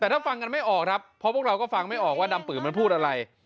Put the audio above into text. แต่ถ้าฟังกันไม่ออกครับเพราะพวกเราก็ฟังไม่ออกว่าดำปืนมันพูดอะไร